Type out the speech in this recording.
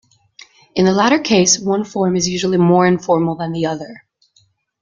In the latter case, one form is usually more informal than the other.